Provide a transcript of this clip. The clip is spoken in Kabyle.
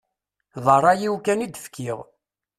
D ṛṛay-iw kan i d-fkiɣ.